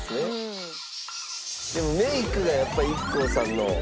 でもメイクがやっぱりＩＫＫＯさんの。